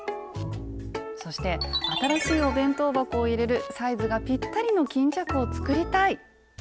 そして新しいお弁当箱を入れるサイズがぴったりの巾着を作りたい！